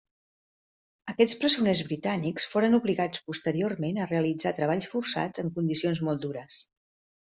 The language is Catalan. Aquests presoners britànics foren obligats posteriorment a realitzar treballs forçats en condicions molt dures.